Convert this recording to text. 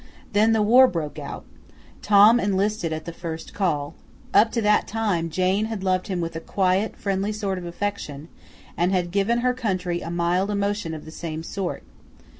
Then the war broke out. Tom enlisted at the first call. Up to that time Jane had loved him with a quiet, friendly sort of affection, and had given her country a mild emotion of the same sort.